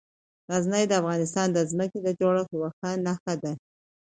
غزني د افغانستان د ځمکې د جوړښت یوه ښه نښه ده.